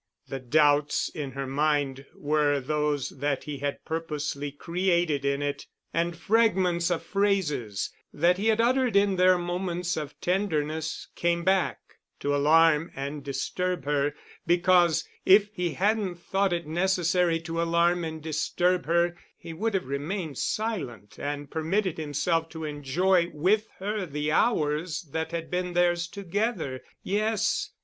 The doubts in her mind were those that he had purposely created in it, and fragments of phrases that he had uttered in their moments of tenderness came back to alarm and disturb her, because if he hadn't thought it necessary to alarm and disturb her, he would have remained silent and permitted himself to enjoy with her the hours that had been theirs together. Yes